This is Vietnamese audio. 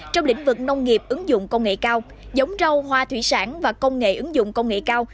trong lĩnh vực nông nghiệp ứng dụng công nghệ cao giống rau hoa thủy sản và công nghệ ứng dụng công nghệ cao